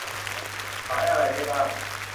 สายอะไรได้บ้าง ?